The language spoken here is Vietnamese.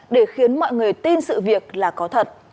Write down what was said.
để khiến mọi người tin sự việc là có thật